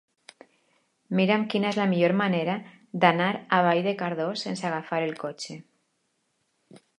Mira'm quina és la millor manera d'anar a Vall de Cardós sense agafar el cotxe.